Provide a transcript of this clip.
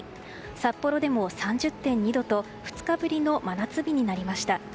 札幌でも３０．２度と２日ぶりの真夏日になりました。